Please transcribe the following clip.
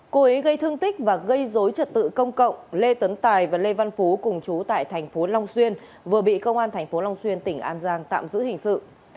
cô ấy gây thương tích và gây dối trật tự công cộng lê tấn tài và lê văn phú cùng chú tại tp long xuyên vừa bị công an tp long xuyên tỉnh an giang tạm giữ hình sự